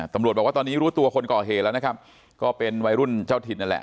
ตำรวจบอกว่าตอนนี้รู้ตัวคนก่อเหตุแล้วนะครับก็เป็นวัยรุ่นเจ้าถิ่นนั่นแหละ